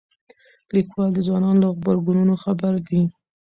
لیکوال د ځوانانو له غبرګونونو خبر دی.